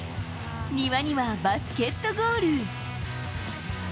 庭にはバスケットゴール。